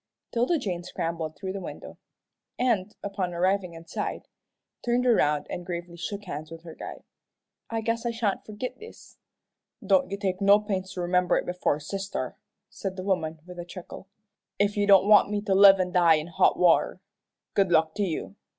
'Tilda Jane scrambled through the window, and, upon arriving inside, turned around and gravely shook hands with her guide. "I guess I sha'n't forgit this." "Don't you take no pains to remember it before sister," said the woman, with a chuckle, "if you don't want me to live an' die in hot water. Good luck to you.